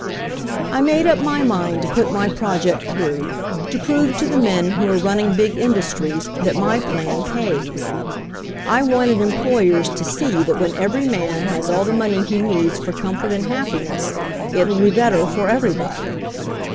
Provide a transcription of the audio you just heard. "I made up my mind to put my project through, to prove to the men who are running big industries that my plan pays. I wanted em ployers to see that when every man has all the money he needs for comfort and happiness it will be better for everybody.